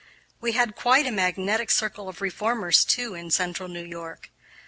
We had quite a magnetic circle of reformers, too, in central New York.